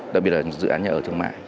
đặc biệt là dự án nhà ở thương mại